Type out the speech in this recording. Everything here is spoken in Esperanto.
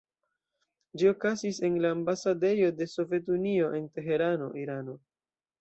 Ĝi okazis en la ambasadejo de Sovetunio en Teherano, Irano.